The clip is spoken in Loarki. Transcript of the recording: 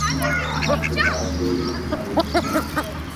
مارو تو ڀاگ ڪوئي ني مارو تو ھي